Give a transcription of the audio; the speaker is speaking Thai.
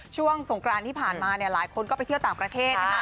ช่วงสงกรานที่ผ่านมาเนี่ยหลายคนก็ไปเที่ยวต่างประเทศนะคะ